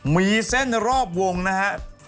มีเส้นรอบวงนะฮะ